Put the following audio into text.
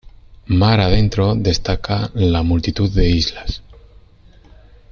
Mar adentro destaca la multitud de islas.